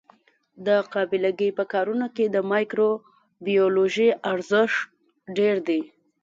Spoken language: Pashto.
د قابله ګۍ په کارونو کې د مایکروبیولوژي ارزښت ډېر دی.